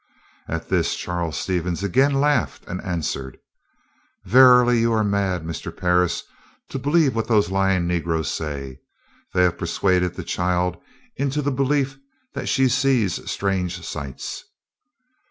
At this Charles Stevens again laughed and answered: "Verily you are mad, Mr. Parris, to believe what those lying negroes say. They have persuaded the child into the belief that she sees strange sights."